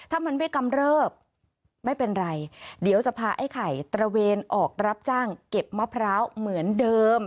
ถ้ามันไม่กำเริบไม่เป็นไรเดี๋ยวจะพาไอ้ไข่ตระเวนออกรับจ้างเก็บมะพร้าวเหมือนเดิม